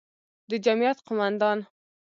د جمعیت قوماندان،